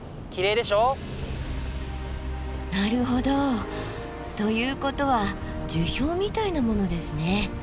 なるほど。ということは樹氷みたいなものですね。